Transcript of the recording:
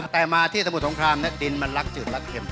แต่มาที่สมุทรสงครามดินมันรักจืดรัดเข็ม